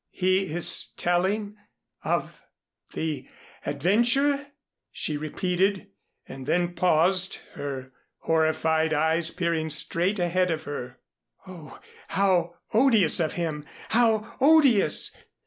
"He is telling of the adventure " she repeated, and then paused, her horrified eyes peering straight ahead of her. "Oh, how odious of him how odious!